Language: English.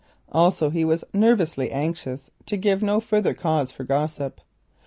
Also he was nervously anxious to give no further cause for gossip.